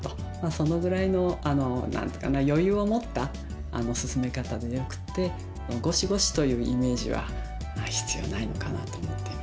そのぐらいの余裕を持った進め方でよくってゴシゴシというイメージは必要ないのかなと思っています。